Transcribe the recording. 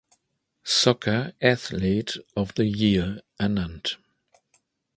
Soccer Athlete of the Year ernannt.